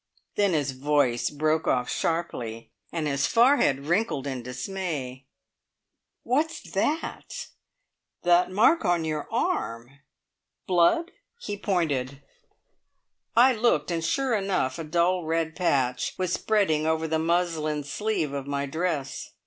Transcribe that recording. Then his voice broke off sharply, and his forehead wrinkled in dismay. "What's that? That mark on your arm. Blood?" He pointed. I looked, and sure enough a dull red patch was spreading over the muslin sleeve of my dress.